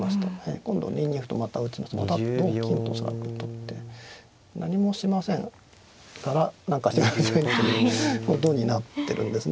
今度２二歩とまた打ちますとまた同金と恐らく取って何もしませんから何かしてくださいということになってるんですね